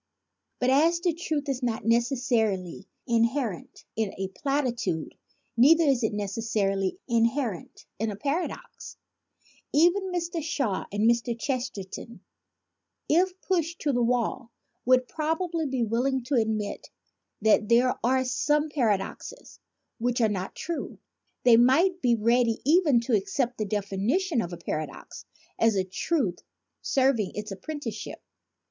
But as the truth is not necessarily inherent in a platitude, neither is it necessarily inherent in a paradox. Even Mr. Shaw and Mr. Chesterton, if pushed to the wall, would probably be willing to admit that there are some paradoxes which are not true. They might be ready even to accept the defini tion of a paradox as a truth serving its appren ticeship.